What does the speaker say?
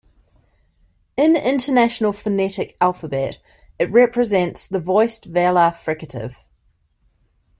In International Phonetic Alphabet, it represents the voiced velar fricative.